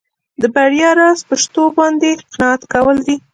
د بریا راز په شتو باندې قناعت کول دي.